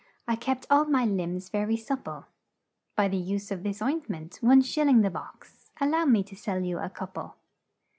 I kept all my limbs ver y sup ple By the use of this oint ment one shil ling the box Al low me to sell you a coup le.'